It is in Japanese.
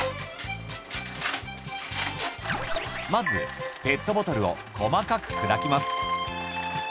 まずペットボトルを細かく砕きます